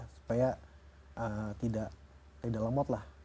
supaya tidak lemot lah